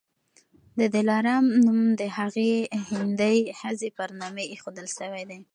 د دلارام نوم د هغي هندۍ ښځي پر نامي ایښودل سوی دی.